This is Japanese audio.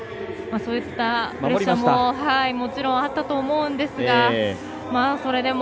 そういったプレッシャーももちろんあったと思うんですがそれでも、